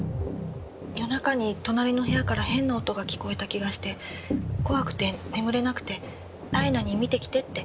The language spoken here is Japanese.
夜中に隣の部屋から変な音が聞こえた気がして怖くて眠れなくてライナに見てきてって。